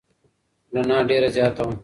رڼا ډېره زیاته وه.